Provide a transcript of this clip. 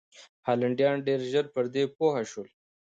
هالنډیان ډېر ژر پر دې پوه شول.